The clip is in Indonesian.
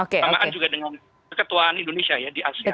sama juga dengan keketuaan indonesia ya di asean